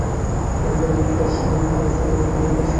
তিনি পরপর তার স্বামী, একমাত্র ছেলে এবং মেয়ে চন্ডিকে হারান।